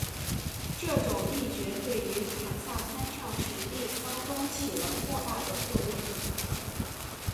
这种议决对于凯撒攀上权力高峰起了莫大的作用。